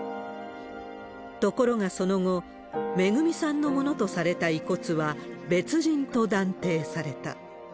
ところがその後、めぐみさんのものとされた遺骨は、別人と断定された。